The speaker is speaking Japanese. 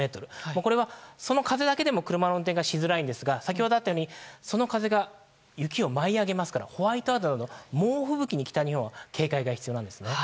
これはその風だけでも車の運転がしづらいんですが先ほどもあったようにその風が雪を舞い上げますからホワイトアウトなど猛吹雪に北日本は警戒が必要なんです。